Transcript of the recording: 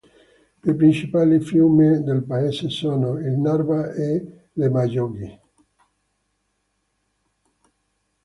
I principali fiumi del paese sono il Narva e l'Emajõgi.